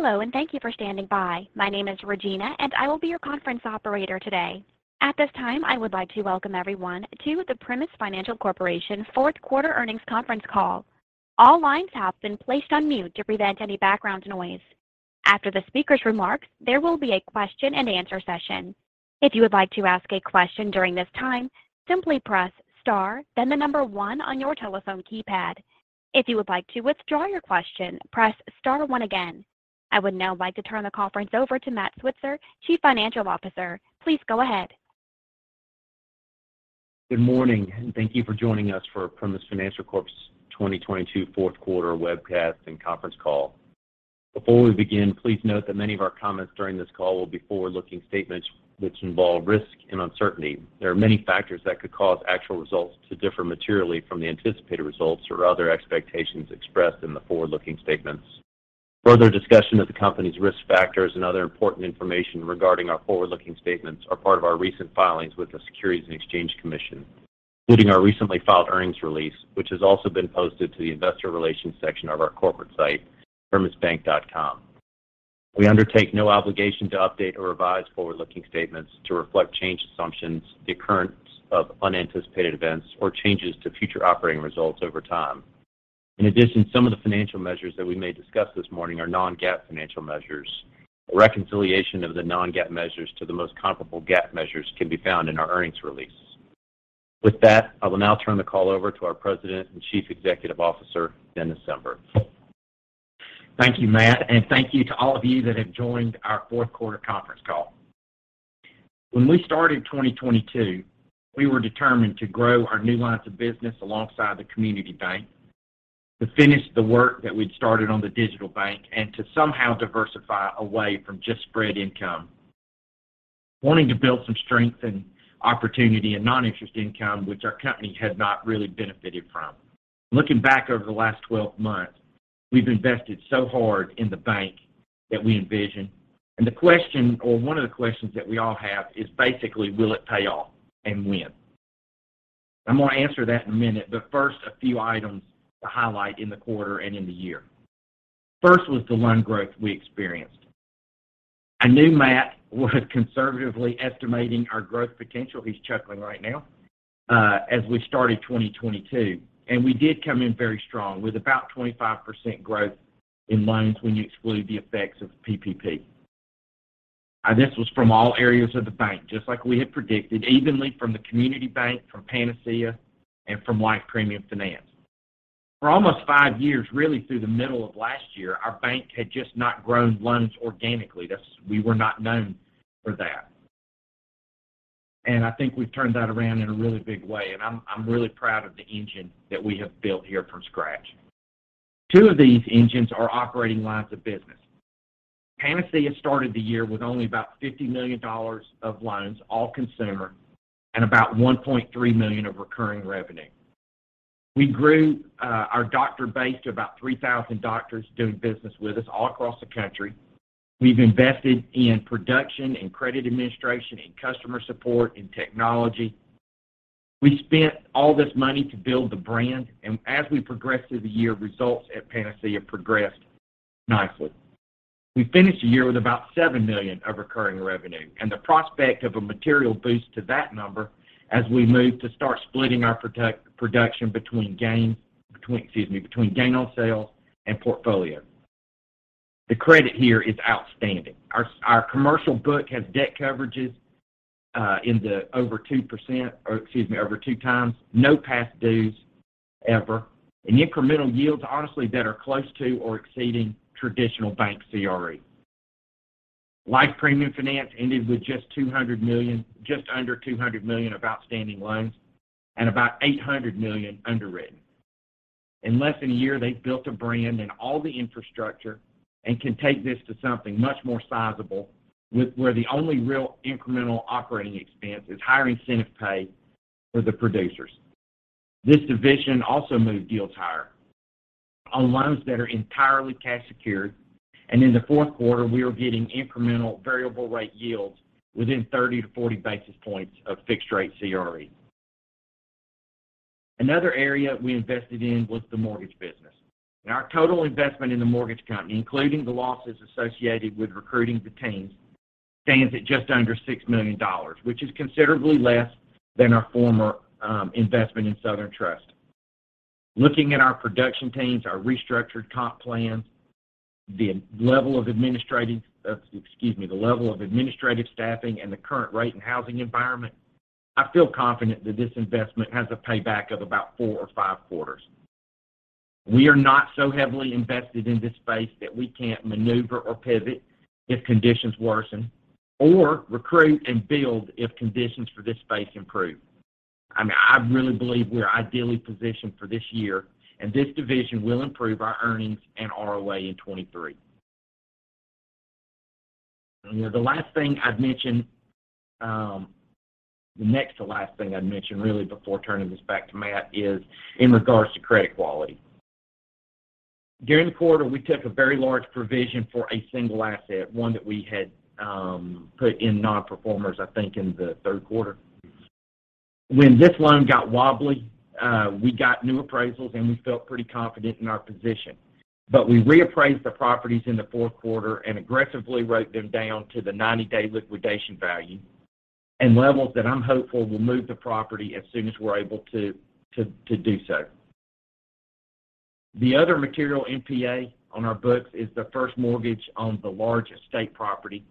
Hello. Thank you for standing by. My name is Regina. I will be your conference operator today. At this time, I would like to welcome everyone to the Primis Financial Corporation fourth quarter earnings conference call. All lines have been placed on mute to prevent any background noise. After the speaker's remarks, there will be a question and answer session. If you would like to ask a question during this time, simply press star, then the number one on your telephone keypad. If you would like to withdraw your question, press star one again. I would now like to turn the conference over to Matt Switzer, Chief Financial Officer. Please go ahead. Good morning, and thank you for joining us for Primis Financial Corp.'s 2022 fourth quarter webcast and conference call. Before we begin, please note that many of our comments during this call will be forward-looking statements which involve risk and uncertainty. There are many factors that could cause actual results to differ materially from the anticipated results or other expectations expressed in the forward-looking statements. Further discussion of the company's risk factors and other important information regarding our forward-looking statements are part of our recent filings with the Securities and Exchange Commission, including our recently filed earnings release, which has also been posted to the investor relations section of our corporate site, primisbank.com. We undertake no obligation to update or revise forward-looking statements to reflect changed assumptions, the occurrence of unanticipated events, or changes to future operating results over time. In addition, some of the financial measures that we may discuss this morning are Non-GAAP financial measures. A reconciliation of the Non-GAAP measures to the most comparable GAAP measures can be found in our earnings release. With that, I will now turn the call over to our President and Chief Executive Officer, Dennis Zember. Thank you, Matt, thank you to all of you that have joined our fourth quarter conference call. When we started 2022, we were determined to grow our new lines of business alongside the community bank, to finish the work that we'd started on the digital bank, and to somehow diversify away from just spread income, wanting to build some strength and opportunity in non-interest income, which our company had not really benefited from. Looking back over the last 12 months, we've invested so hard in the bank that we envision. The question, or one of the questions that we all have is basically, will it pay off and when? I'm going to answer that in a minute, first, a few items to highlight in the quarter and in the year. First was the loan growth we experienced. I knew Matt was conservatively estimating our growth potential, he's chuckling right now, as we started 2022, and we did come in very strong with about 25% growth in loans when you exclude the effects of PPP. This was from all areas of the bank, just like we had predicted evenly from the community bank, from Panacea, and from Life Premium Finance. For almost five years, really through the middle of last year, our bank had just not grown loans organically. We were not known for that. I think we've turned that around in a really big way, and I'm really proud of the engine that we have built here from scratch. Two of these engines are operating lines of business. Panacea started the year with only about $50 million of loans, all consumer, and about $1.3 million of recurring revenue. We grew our doctor base to about 3,000 doctors doing business with us all across the country. We've invested in production and credit administration, in customer support, in technology. We spent all this money to build the brand, as we progressed through the year, results at Panacea progressed nicely. We finished the year with about $7 million of recurring revenue and the prospect of a material boost to that number as we move to start splitting our production between gain on sales and portfolio. The credit here is outstanding. Our commercial book has debt coverages in the over 2%, or excuse me, over 2x. No past dues ever. Incremental yields honestly that are close to or exceeding traditional bank CRE. Life Premium Finance ended with just $200 million, just under $200 million of outstanding loans and about $800 million underwritten. In less than a year, they've built a brand and all the infrastructure and can take this to something much more sizable with where the only real incremental operating expense is higher incentive pay for the producers. This division also moved yields higher on loans that are entirely cash secured. In the fourth quarter, we are getting incremental variable rate yields within 30 basis points-40 basis points of fixed-rate CRE. Another area we invested in was the mortgage business. Our total investment in the mortgage company, including the losses associated with recruiting the teams, stands at just under $6 million, which is considerably less than our former investment in Southern Trust. Looking at our production teams, our restructured comp plans, the level of administrative staffing, and the current rate and housing environment, I feel confident that this investment has a payback of about four or five quarters. We are not so heavily invested in this space that we can't maneuver or pivot if conditions worsen or recruit and build if conditions for this space improve. I mean, I really believe we're ideally positioned for this year, and this division will improve our earnings and ROA in 2023. The last thing I'd mention, the next to last thing I'd mention really before turning this back to Matt is in regards to credit quality. During the quarter, we took a very large provision for a single asset, one that we had put in non-performers, I think, in the third quarter. When this loan got wobbly, we got new appraisals and we felt pretty confident in our position. We reappraised the properties in the fourth quarter and aggressively wrote them down to the 90-day liquidation value and levels that I'm hopeful will move the property as soon as we're able to do so. The other material NPA on our books is the first mortgage on the large estate property.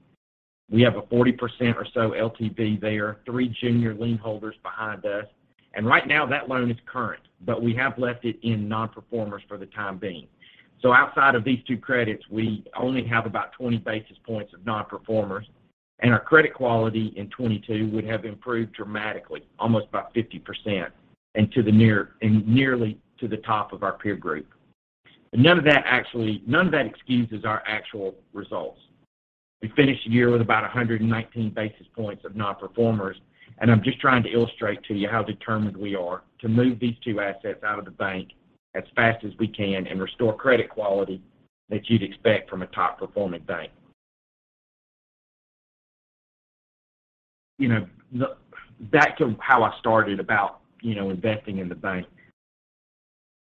We have a 40% or so LTV there, three junior lien holders behind us, and right now that loan is current, but we have left it in non-performers for the time being. Outside of these two credits, we only have about 20 basis points of non-performers. Our credit quality in 2022 would have improved dramatically, almost by 50% and nearly to the top of our peer group. None of that actually excuses our actual results. We finished the year with about 119 basis points of non-performers. I'm just trying to illustrate to you how determined we are to move these two assets out of the bank as fast as we can and restore credit quality that you'd expect from a top performing bank. You know, back to how I started about, you know, investing in the bank.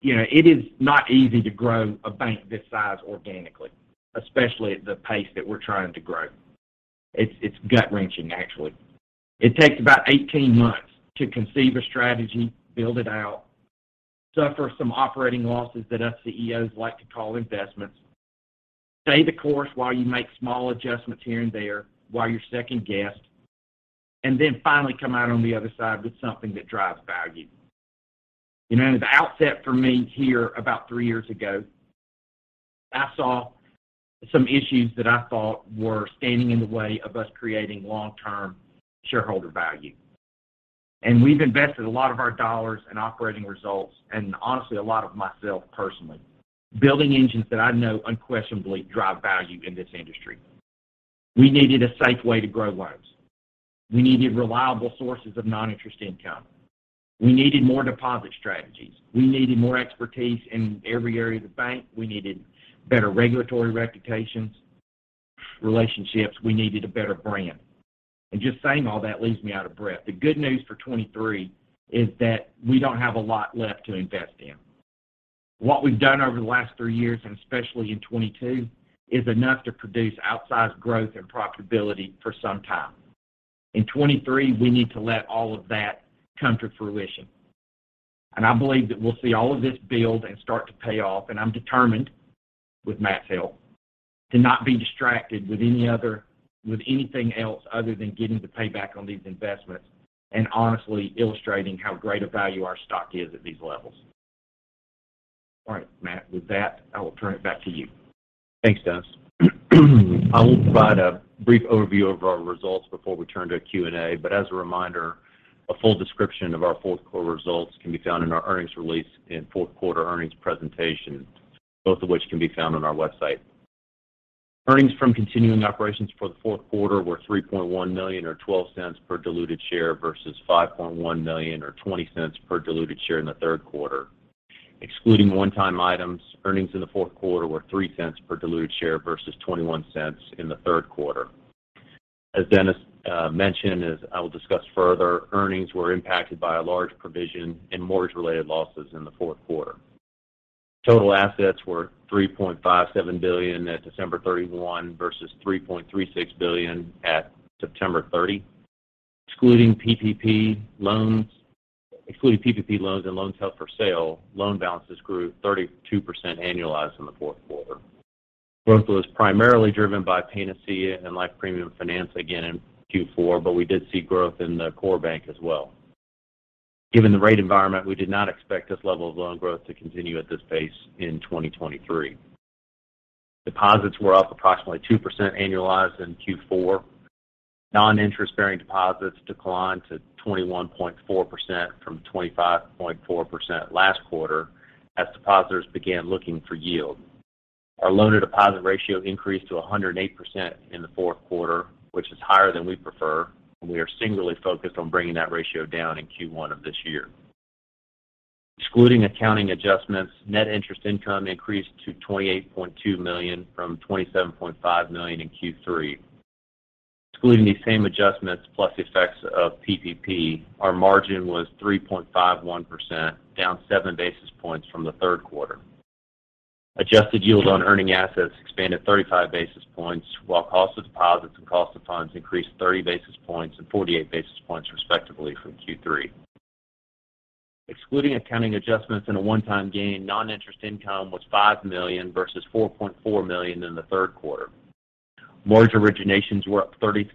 You know, it is not easy to grow a bank this size organically, especially at the pace that we're trying to grow. It's gut-wrenching actually. It takes about 18 months to conceive a strategy, build it out, suffer some operating losses that us CEOs like to call investments, stay the course while you make small adjustments here and there while you're second guessed, and then finally come out on the other side with something that drives value. You know, at the outset for me here about three years ago, I saw some issues that I thought were standing in the way of us creating long-term shareholder value. We've invested a lot of our dollars in operating results, and honestly, a lot of myself personally, building engines that I know unquestionably drive value in this industry. We needed a safe way to grow loans. We needed reliable sources of non-interest income. We needed more deposit strategies. We needed more expertise in every area of the bank. We needed better regulatory reputations, relationships. We needed a better brand. Just saying all that leaves me out of breath. The good news for 2023 is that we don't have a lot left to invest in. What we've done over the last three years, and especially in 2022, is enough to produce outsized growth and profitability for some time. In 2023, we need to let all of that come to fruition. I believe that we'll see all of this build and start to pay off, and I'm determined, with Matt's help, to not be distracted with anything else other than getting the payback on these investments and honestly illustrating how great a value our stock is at these levels. Matt, with that, I will turn it back to you. Thanks, Dennis. I will provide a brief overview of our results before we turn to Q&A. As a reminder, a full description of our fourth quarter results can be found in our earnings release and fourth quarter earnings presentation, both of which can be found on our website. Earnings from continuing operations for the fourth quarter were $3.1 million or $0.12 per diluted share versus $5.1 million or $0.20 per diluted share in the third quarter. Excluding one-time items, earnings in the fourth quarter were $0.03 per diluted share versus $0.21 in the third quarter. As Dennis mentioned, as I will discuss further, earnings were impacted by a large provision in mortgage-related losses in the fourth quarter. Total assets were $3.57 billion at December 31st versus $3.36 billion at September 30th. Excluding PPP loans and loans held for sale, loan balances grew 32% annualized in the fourth quarter. Growth was primarily driven by Panacea and Life Premium Finance again in Q4, we did see growth in the core bank as well. Given the rate environment, we did not expect this level of loan growth to continue at this pace in 2023. Deposits were up approximately 2% annualized in Q4. Non-interest-bearing deposits declined to 21.4% from 25.4% last quarter as depositors began looking for yield. Our loan-to-deposit ratio increased to 108% in the fourth quarter, which is higher than we prefer, we are singularly focused on bringing that ratio down in Q1 of this year. Excluding accounting adjustments, net interest income increased to $28.2 million from $27.5 million in Q3. Excluding these same adjustments plus the effects of PPP, our margin was 3.51%, down 7 basis points from the third quarter. Adjusted yield on earning assets expanded 35 basis points while cost of deposits and cost of funds increased 30 basis points and 48 basis points respectively from Q3. Excluding accounting adjustments and a one-time gain, non-interest income was $5 million versus $4.4 million in the third quarter. Mortgage originations were up 36%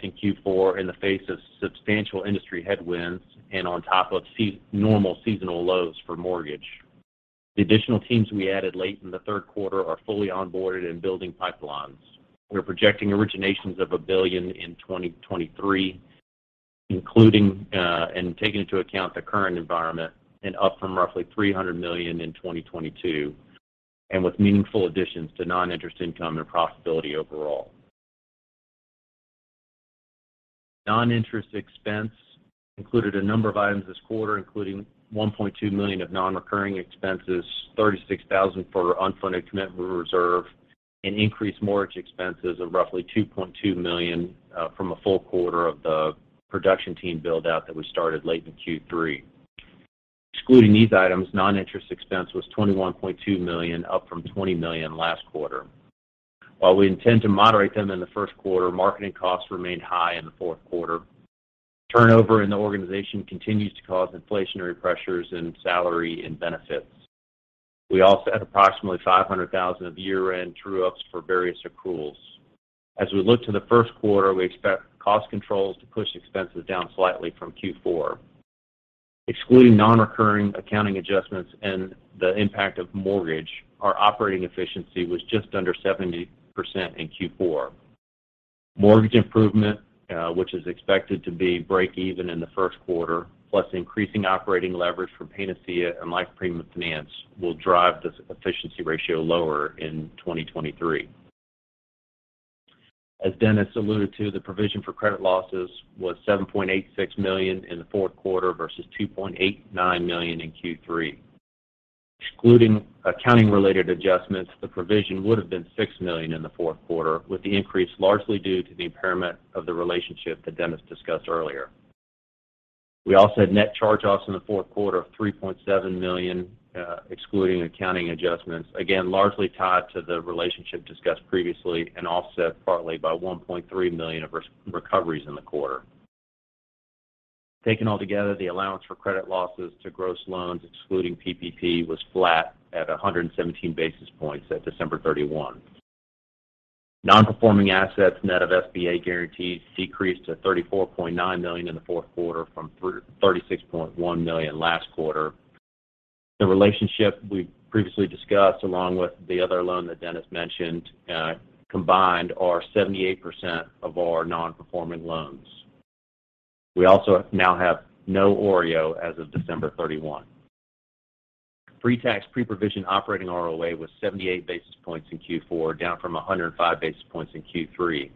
in Q4 in the face of substantial industry headwinds and on top of normal seasonal lows for mortgage. The additional teams we added late in the third quarter are fully onboarded and building pipelines. We are projecting originations of $1 billion in 2023, including, and taking into account the current environment and up from roughly $300 million in 2022, and with meaningful additions to non-interest income and profitability overall. Non-interest expense included a number of items this quarter, including $1.2 million of non-recurring expenses, $36,000 for unfunded commitment reserve and increased mortgage expenses of roughly $2.2 million from a full quarter of the production team build-out that we started late in Q3. Excluding these items, non-interest expense was $21.2 million, up from $20 million last quarter. While we intend to moderate them in the first quarter, marketing costs remained high in the fourth quarter. Turnover in the organization continues to cause inflationary pressures in salary and benefits. We also had approximately $500,000 of year-end true ups for various accruals. As we look to the first quarter, we expect cost controls to push expenses down slightly from Q4. Excluding non-recurring accounting adjustments and the impact of mortgage, our operating efficiency was just under 70% in Q4. Mortgage improvement, which is expected to be breakeven in the first quarter, plus increasing operating leverage from Panacea and Life Premium Finance will drive this efficiency ratio lower in 2023. As Dennis alluded to, the provision for credit losses was $7.86 million in the fourth quarter versus $2.89 million in Q3. Excluding accounting-related adjustments, the provision would have been $6 million in the fourth quarter, with the increase largely due to the impairment of the relationship that Dennis discussed earlier. We also had net charge-offs in the fourth quarter of $3.7 million, excluding accounting adjustments, again, largely tied to the relationship discussed previously and offset partly by $1.3 million of recoveries in the quarter. Taken altogether, the allowance for credit losses to gross loans, excluding PPP, was flat at 117 basis points at December 31st. Non-performing assets net of SBA guarantees decreased to $34.9 million in the fourth quarter from $36.1 million last quarter. The relationship we've previously discussed, along with the other loan that Dennis mentioned, combined are 78% of our non-performing loans. We also now have no OREO as of December 31. Pre-tax pre-provision operating ROA was 78 basis points in Q4, down from 105 basis points in Q3.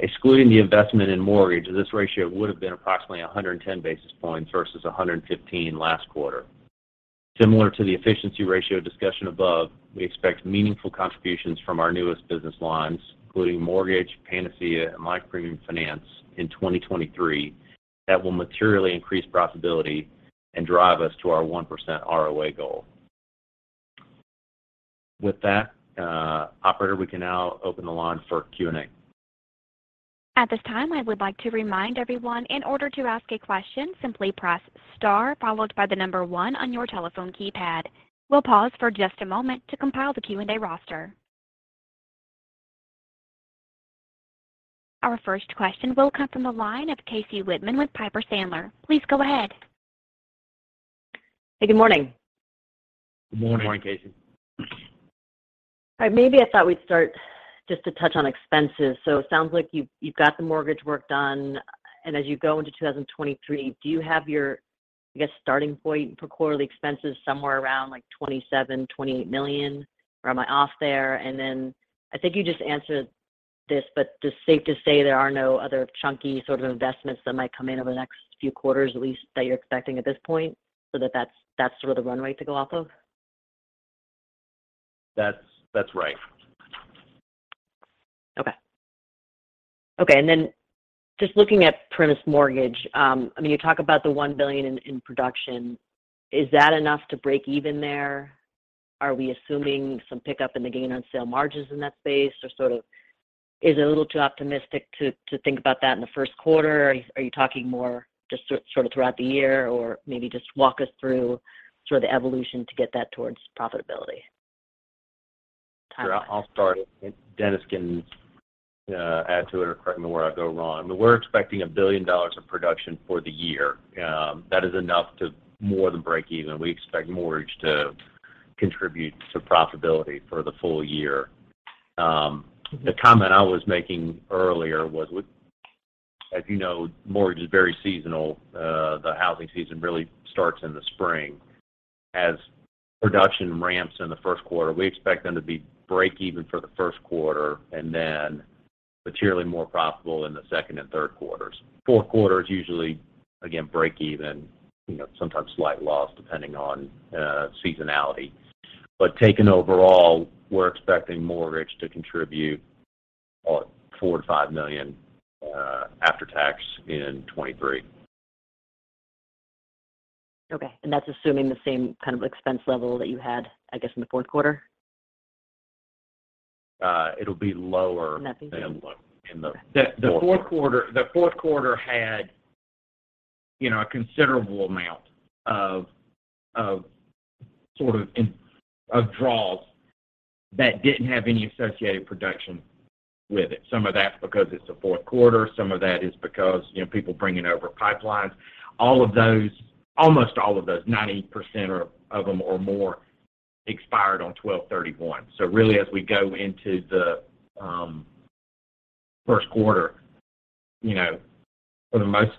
Excluding the investment in mortgage, this ratio would have been approximately 110 basis points versus 115 basis points last quarter. Similar to the efficiency ratio discussion above, we expect meaningful contributions from our newest business lines, including mortgage, Panacea and Life Premium Finance in 2023 that will materially increase profitability and drive us to our 1% ROA goal. With that, operator, we can now open the line for Q&A. At this time, I would like to remind everyone in order to ask a question, simply press star followed by the number one on your telephone keypad. We'll pause for just a moment to compile the Q&A roster. Our first question will come from the line of Casey Whitman with Piper Sandler. Please go ahead. Hey, good morning. Good morning. Good morning, Casey. All right. Maybe I thought we'd start just to touch on expenses. It sounds like you've got the mortgage work done, and as you go into 2023, do you have your, I guess, starting point for quarterly expenses somewhere around like $27 million-$28 million, or am I off there? I think you just answered this, but just safe to say there are no other chunky sort of investments that might come in over the next few quarters at least that you're expecting at this point, so that's sort of the runway to go off of? That's right. Okay. Okay. Just looking at Primis Mortgage, I mean, you talk about the $1 billion in production. Is that enough to break even there? Are we assuming some pickup in the gain-on-sale margins in that space or sort of is it a little too optimistic to think about that in the first quarter? Are you talking more just sort of throughout the year or maybe just walk us through sort of the evolution to get that towards profitability? Sure. I'll start. Dennis can add to it or correct me where I go wrong. We're expecting $1 billion of production for the year. That is enough to more than break even. We expect mortgage to contribute to profitability for the full year. The comment I was making earlier was as you know, mortgage is very seasonal. The housing season really starts in the spring. As production ramps in the first quarter, we expect them to be breakeven for the first quarter and then materially more profitable in the second and third quarters. Fourth quarter is usually, again, breakeven, you know, sometimes slight loss depending on seasonality. Taken overall, we're expecting mortgage to contribute $4 million-$5 million after tax in 2023. Okay. That's assuming the same kind of expense level that you had, I guess, in the fourth quarter? Uh, it'll be lower- that's easy. than in the fourth quarter. The fourth quarter had, you know, a considerable amount of sort of draws that didn't have any associated production with it. Some of that's because it's the fourth quarter, some of that is because, you know, people bringing over pipelines. All of those, almost all of those, 90% of them or more expired on December 31st. Really as we go into the first quarter, you know, for the most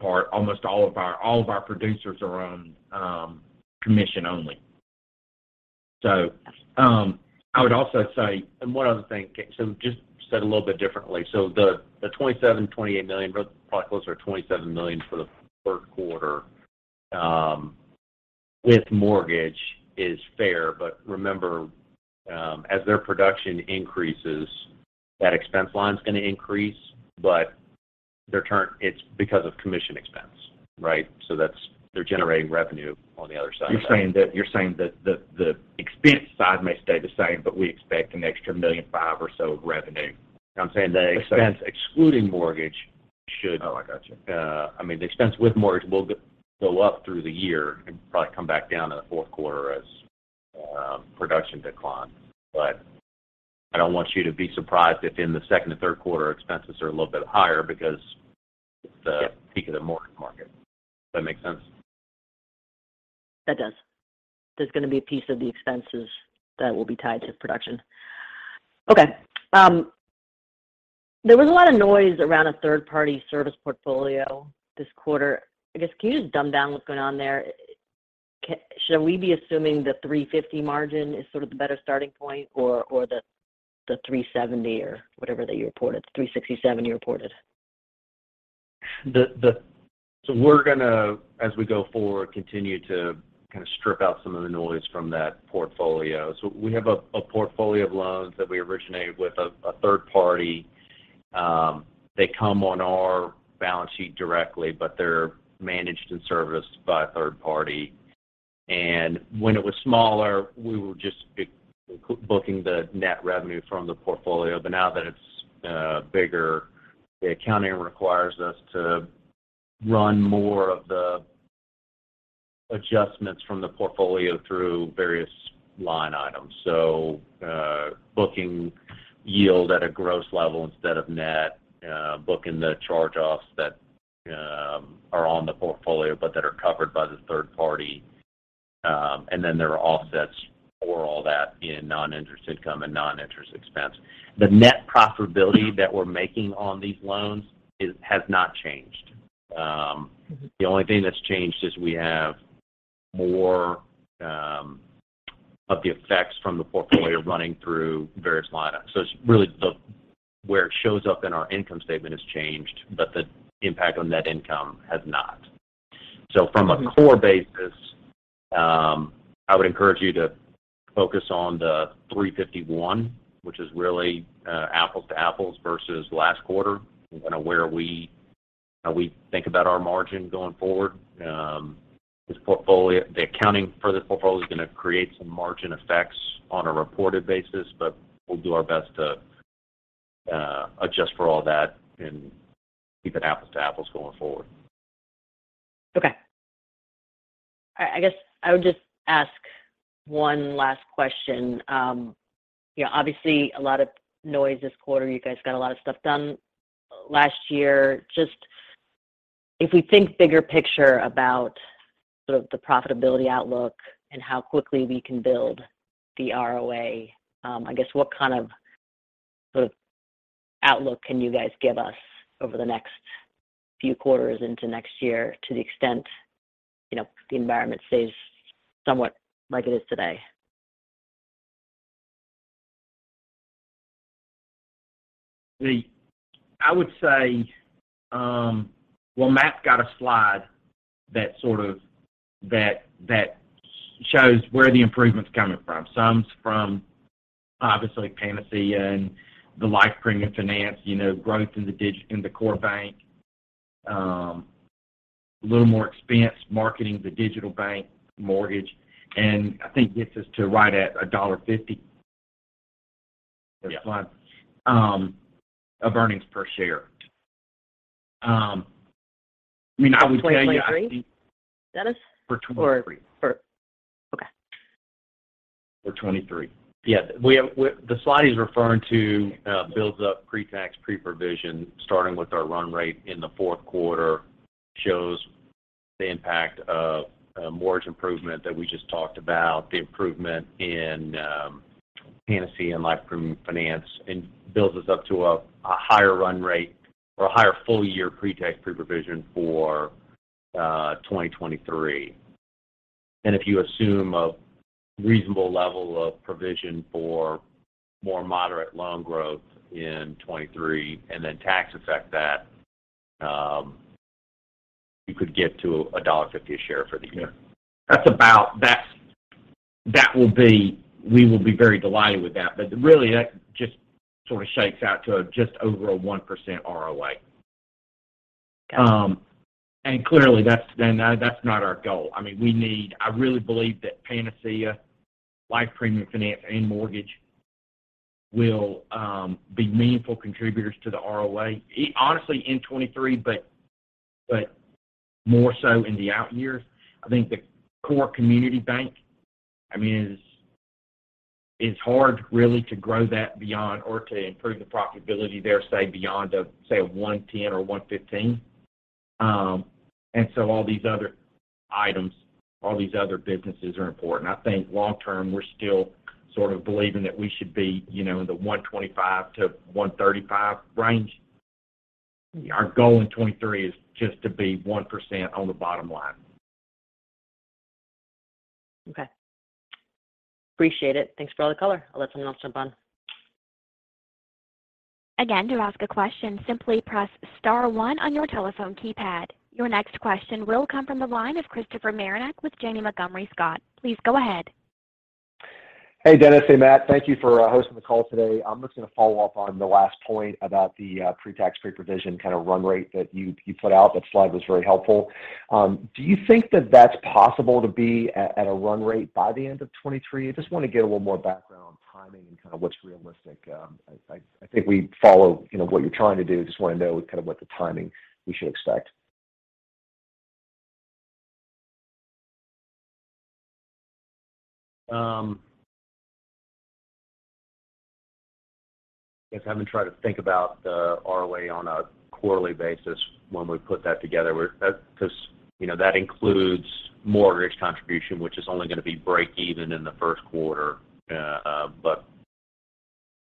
part, almost all of our, all of our producers are on commission only. I would also say one other thing, so just said a little bit differently. The $27 million-$28 million, but probably closer to $27 million for the fourth quarter. With mortgage is fair, remember, as their production increases, that expense line is going to increase, it's because of commission expense, right? They're generating revenue on the other side of that. You're saying that the expense side may stay the same, but we expect an extra $1.5 million or so of revenue. No, I'm saying the expense excluding mortgage should- Oh, I got you. I mean, the expense with mortgage will go up through the year and probably come back down in the fourth quarter as production declines. I don't want you to be surprised if in the second or third quarter, expenses are a little bit higher because it's the peak of the mortgage market. Does that make sense? That does. There's going to be a piece of the expenses that will be tied to production. Okay. There was a lot of noise around a third-party service portfolio this quarter. I guess, can you just dumb down what's going on there? Should we be assuming the 350 margin is sort of the better starting point or the 370 or whatever that you reported, 367 you reported? We're gonna, as we go forward, continue to kind of strip out some of the noise from that portfolio. We have a portfolio of loans that we originated with a third party. They come on our balance sheet directly, but they're managed and serviced by a third party. When it was smaller, we were just booking the net revenue from the portfolio. Now that it's bigger, the accounting requires us to run more of the adjustments from the portfolio through various line items. Booking yield at a gross level instead of net, booking the charge-offs that are on the portfolio but that are covered by the third party. There are offsets for all that in non-interest income and non-interest expense. The net profitability that we're making on these loans has not changed. The only thing that's changed is we have more of the effects from the portfolio running through various line items. It's really where it shows up in our income statement has changed, but the impact on net income has not. From a core basis, I would encourage you to focus on the $3.51, which is really apples to apples versus last quarter, you know, where we think about our margin going forward. This portfolio, the accounting for this portfolio is going to create some margin effects on a reported basis, but we'll do our best to adjust for all that and keep it apples to apples going forward. Okay. I guess I would just ask one last question. you know, obviously a lot of noise this quarter. You guys got a lot of stuff done last year. Just if we think bigger picture about sort of the profitability outlook and how quickly we can build the ROA, I guess what kind of sort of outlook can you guys give us over the next few quarters into next year to the extent, you know, the environment stays somewhat like it is today? I would say, well, Matt's got a slide that shows where the improvement's coming from. Some's from obviously Panacea and the Life Premium Finance, you know, growth in the core bank. A little more expense marketing the digital bank mortgage. I think gets us to right at $1.50. Yeah -per slide, of earnings per share. I mean, I would tell you. That's 2023, Dennis? For 2023. Okay. For 2023. Yeah. The slide he's referring to, builds up pre-tax pre-provision, starting with our run rate in the fourth quarter, shows the impact of mortgage improvement that we just talked about, the improvement in Panacea and Life Premium Finance, and builds us up to a higher run rate or a higher full-year pre-tax pre-provision for 2023. If you assume a reasonable level of provision for more moderate loan growth in 2023 and then tax affect that, you could get to $1.50 a share for the year. Yeah. We will be very delighted with that. Really, that just sort of shakes out to just over a 1% ROA. Clearly, that's not our goal. I mean, I really believe that Panacea, Life Premium Finance, and Mortgage will be meaningful contributors to the ROA, honestly, in 2023, but more so in the out years. I think the core community bank, I mean, is hard really to grow that beyond or to improve the profitability there, say, beyond, say, a 1.10% or 1.15%. All these other items, all these other businesses are important. I think long term, we're still sort of believing that we should be, you know, in the 1.25%-1.35% range. Our goal in 2023 is just to be 1% on the bottom line. Okay. Appreciate it. Thanks for all the color. I'll let someone else jump on. Again, to ask a question, simply press star one on your telephone keypad. Your next question will come from the line of Christopher Marinac with Janney Montgomery Scott. Please go ahead. Hey, Dennis. Hey, Matt. Thank you for hosting the call today. I'm just going to follow up on the last point about the pre-tax pre-provision kind of run rate that you put out. That slide was very helpful. Do you think that that's possible to be at a run rate by the end of 2023? I just want to get a little more background on timing and kind of what's realistic. I think we follow, you know, what you're trying to do. Just want to know kind of what the timing we should expect. I guess I haven't tried to think about the ROA on a quarterly basis when we put that together. Because, you know, that includes mortgage contribution, which is only going to be breakeven in the first quarter, but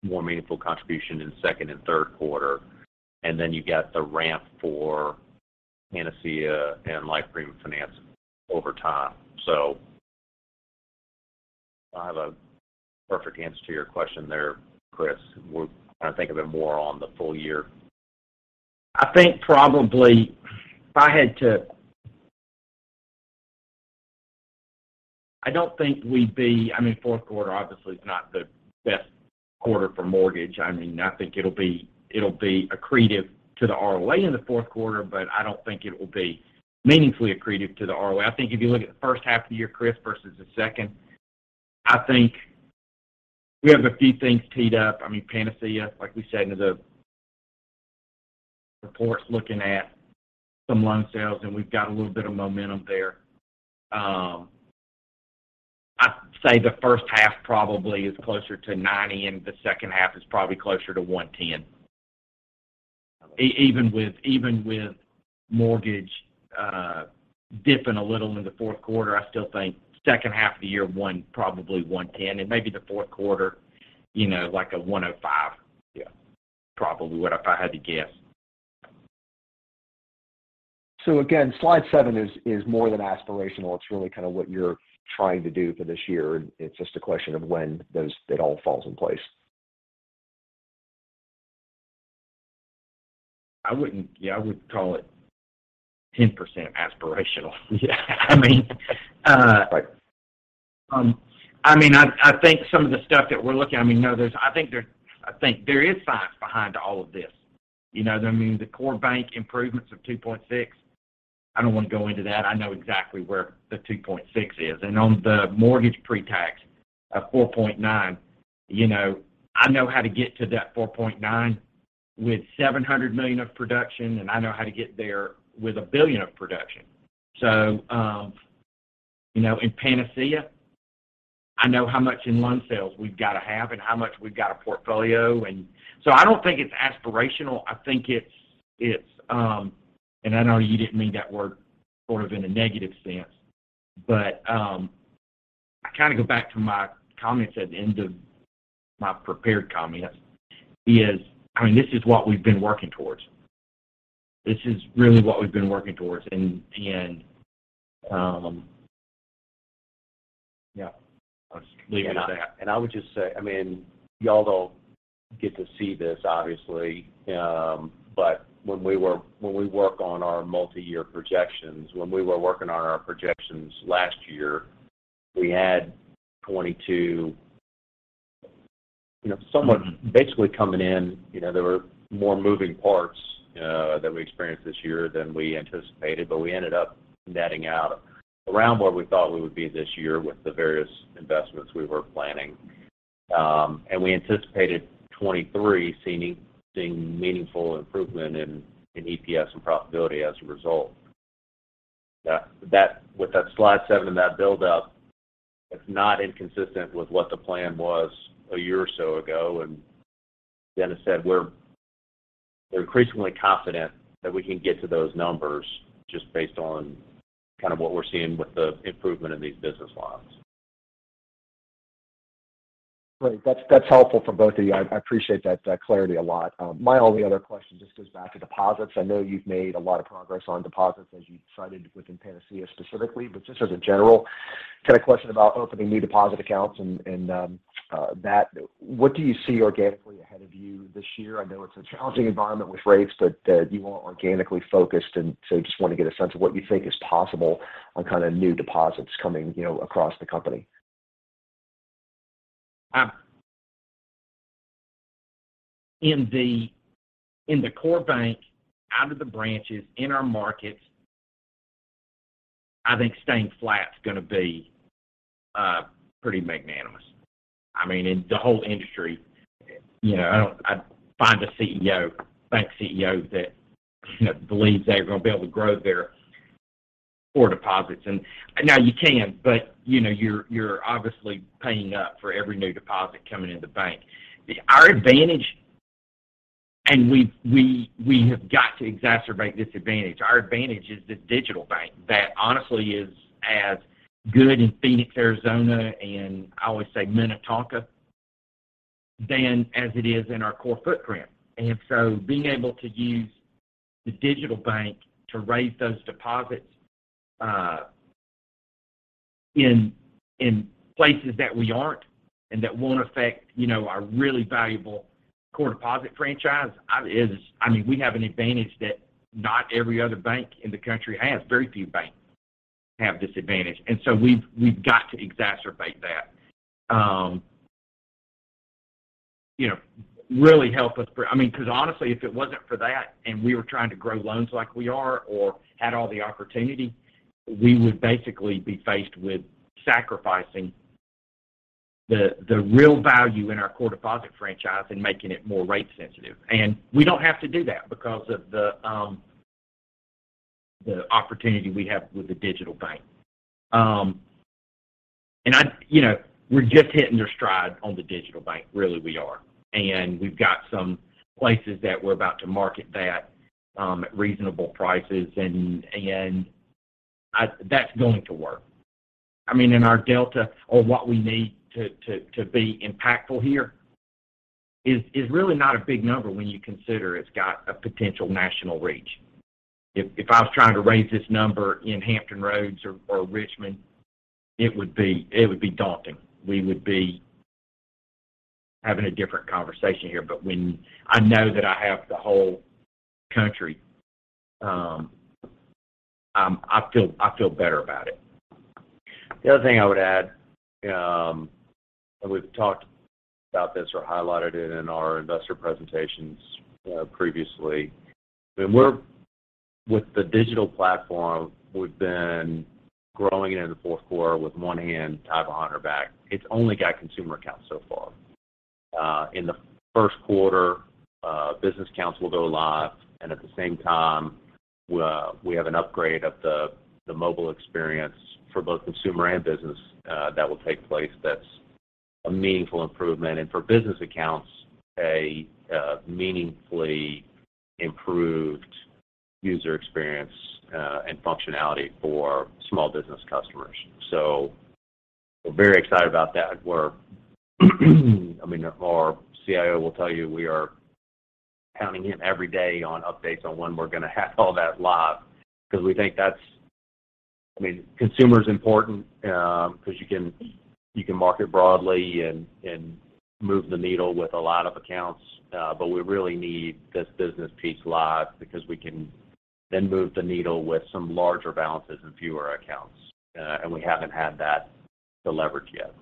more meaningful contribution in second and third quarter. Then you got the ramp for Panacea and Life Premium Finance over time. I don't have a perfect answer to your question there, Chris. We're trying to think of it more on the full year. I mean, Fourth quarter obviously is not the best quarter for mortgage. I mean, I think it'll be accretive to the ROA in the fourth quarter, but I don't think it will be meaningfully accretive to the ROA. I think if you look at the first half of the year, Chris, versus the second, I think we have a few things teed up. I mean, Panacea, like we said in the reports, looking at some loan sales, and we've got a little bit of momentum there. I'd say the first half probably is closer to 90, and the second half is probably closer to 110. Even with mortgage dipping a little in the fourth quarter, I still think second half of the year, probably 110. maybe the fourth quarter, you know, like a 105- Yeah. probably would, if I had to guess. Again, slide seven is more than aspirational. It's really kind of what you're trying to do for this year. It's just a question of when those it all falls in place. Yeah, I wouldn't call it 10% aspirational. I mean. Right. I mean, I think some of the stuff that we're looking, I mean, no, I think there is science behind all of this. You know what I mean? The core bank improvements of $2.6, I don't want to go into that. I know exactly where the $2.6 is. On the mortgage pre-tax of $4.9, you know, I know how to get to that $4.9 with $700 million of production, and I know how to get there with $1 billion of production. You know, in Panacea, I know how much in loan sales we've got to have and how much we've got a portfolio. I don't think it's aspirational. I think it's. I know you didn't mean that word sort of in a negative sense. I kind of go back to my comments at the end of my prepared comments, is, I mean, this is what we've been working towards. This is really what we've been working towards.... Yeah. I'll just leave it at that. I, and I would just say, I mean, y'all don't get to see this, obviously. When we work on our multi-year projections, when we were working on our projections last year, we had 2022, you know, somewhat basically coming in, you know, there were more moving parts that we experienced this year than we anticipated, but we ended up netting out around where we thought we would be this year with the various investments we were planning. We anticipated 2023 seeing meaningful improvement in EPS and profitability as a result. That, with that slide seven and that buildup, it's not inconsistent with what the plan was a year or so ago. Dennis said, we're increasingly confident that we can get to those numbers just based on kind of what we're seeing with the improvement in these business lines. Great. That's helpful for both of you. I appreciate that clarity a lot. My only other question just goes back to deposits. I know you've made a lot of progress on deposits as you cited within Panacea specifically, but just as a general kind of question about opening new deposit accounts and what do you see organically ahead of you this year? I know it's a challenging environment with rates, you all are organically focused, just want to get a sense of what you think is possible on kind of new deposits coming, you know, across the company. In the, in the core bank, out of the branches, in our markets, I think staying flat is going to be pretty magnanimous. I mean, in the whole industry, you know, find a CEO, bank CEO that, you know, believes they're going to be able to grow their core deposits. Now you can, but, you know, you're obviously paying up for every new deposit coming in the bank. Our advantage, we have got to exacerbate this advantage. Our advantage is the digital bank that honestly is as good in Phoenix, Arizona, and I always say Minnetonka, than as it is in our core footprint. Being able to use the digital bank to raise those deposits, In places that we aren't and that won't affect, you know, our really valuable core deposit franchise, I mean, we have an advantage that not every other bank in the country has. Very few banks have this advantage. We've got to exacerbate that. You know, really help us grow. I mean, 'cause honestly if it wasn't for that and we were trying to grow loans like we are or had all the opportunity, we would basically be faced with sacrificing the real value in our core deposit franchise and making it more rate sensitive. We don't have to do that because of the opportunity we have with the digital bank. You know, we're just hitting their stride on the digital bank, really we are. We've got some places that we're about to market that at reasonable prices and that's going to work. I mean, in our delta or what we need to be impactful here is really not a big number when you consider it's got a potential national reach. If I was trying to raise this number in Hampton Roads or Richmond, it would be daunting. We would be having a different conversation here. When I know that I have the whole country, I feel better about it. The other thing I would add, and we've talked about this or highlighted it in our investor presentations, previously. With the digital platform, we've been growing it in the fourth quarter with one hand tied behind our back. It's only got consumer accounts so far. In the first quarter, business accounts will go live, and at the same time, we have an upgrade of the mobile experience for both consumer and business, that will take place that's a meaningful improvement. For business accounts, a meaningfully improved user experience and functionality for small business customers. So we're very excited about that. I mean, our CIO will tell you we are hounding him every day on updates on when we're gonna have all that live because we think that's... I mean, consumer is important, because you can market broadly and move the needle with a lot of accounts. We really need this business piece live because we can then move the needle with some larger balances and fewer accounts. We haven't had that to leverage yet.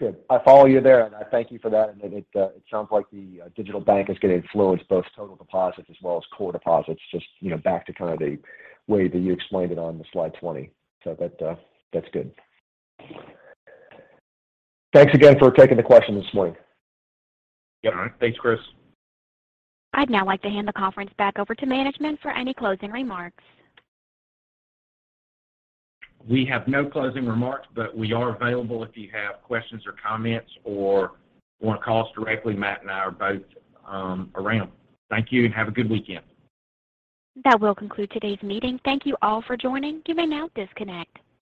Good. I follow you there, and I thank you for that. It sounds like the digital bank is going to influence both total deposits as well as core deposits, just, you know, back to kind of the way that you explained it on the Slide 20. That's good. Thanks again for taking the questions this morning. All right. Yep. Thanks, Chris. I'd now like to hand the conference back over to management for any closing remarks. We have no closing remarks. We are available if you have questions or comments or want to call us directly. Matt and I are both around. Thank you. Have a good weekend. That will conclude today's meeting. Thank you all for joining. You may now disconnect.